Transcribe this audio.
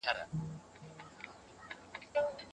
موږ به تل د هیواد ګټې په پام کي نیسو.